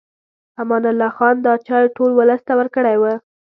امان الله خان دا چای ټول ولس ته ورکړی و.